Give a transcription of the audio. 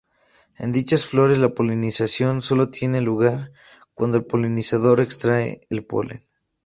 En dichas flores la polinización solo tiene lugar cuando el polinizador extrae el polen.